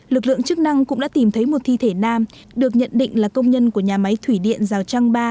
lực lượng chức năng cũng đã tìm thấy một thi thể nam được nhận định là công nhân của nhà máy thủy điện rào trăng ba